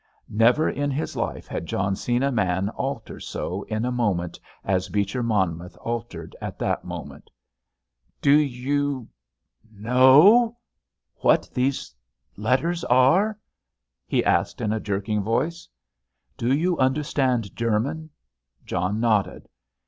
Never in his life had John seen a man alter so in a moment as Beecher Monmouth altered in that moment. "Do you know what these letters are?" he asked in a jerking voice. "Do you understand German?" John nodded.